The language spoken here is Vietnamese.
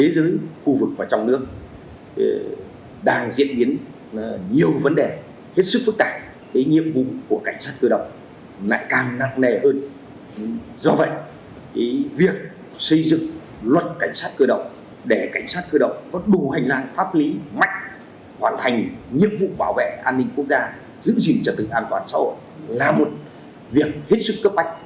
sau đó việc xây dựng luật cảnh sát cơ động để cảnh sát cơ động có đủ hành lang pháp lý mạnh hoàn thành nhiệm vụ bảo vệ an ninh quốc gia giữ gìn trở tự an toàn xã hội là một việc hết sức cấp bách